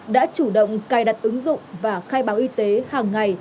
đã chủ động cài đặt ứng dụng và khai báo y tế hàng ngày